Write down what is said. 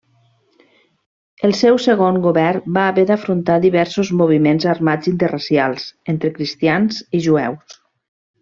El seu segon govern va haver d'afrontar diversos moviments armats interracials, entre cristians i jueus.